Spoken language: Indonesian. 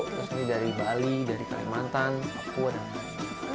terus ini dari bali dari kalimantan papua dan bali